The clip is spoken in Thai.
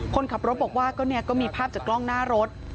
คนขับรถบอกว่าก็มีภาพจากกล้องหน้ารถ